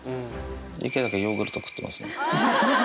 池崎はヨーグルト食ってますね。